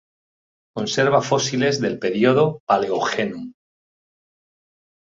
Conserva fósiles del periodo Paleógeno.